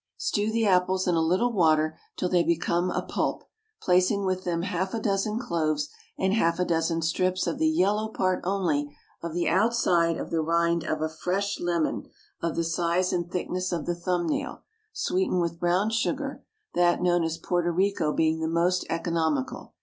Stew the apples in a little water till they become a pulp, placing with them half a dozen cloves and half a dozen strips of the yellow part only of the outside of the rind of a fresh lemon of the size and thickness of the thumb nail; sweeten with brown sugar, that known as Porto Rico being the most economical.